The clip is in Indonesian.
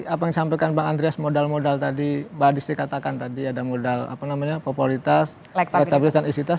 apa yang disampaikan bang andreas modal modal tadi mbak adis dikatakan tadi ada modal populitas elektabilitas dan isi tas